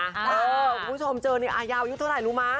คุณผู้ชมเจอนี่ยาวอายุเท่าไหร่รู้มั้